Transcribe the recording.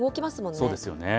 そうですよね。